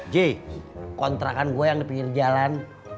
j kontrakan gue yang di pinggir jalan